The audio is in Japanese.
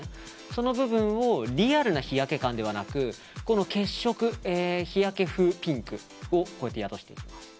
その部分をリアルな日焼け感ではなく血色、日焼け風ピンクを宿していきます。